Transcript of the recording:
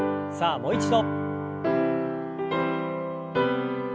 さあもう一度。